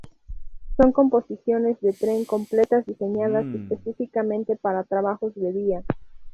Son composiciones de tren completas diseñadas específicamente para trabajos de vía.